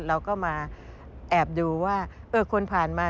เราก็มาแอบดูว่าคนผ่านมา